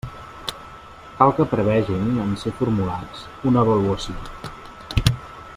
Cal que prevegin, en ser formulats, una avaluació.